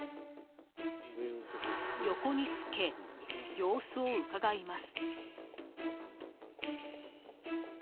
横につけ、様子をうかがいます。